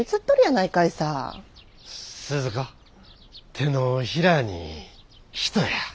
手のひらに人や。